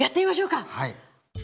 はい。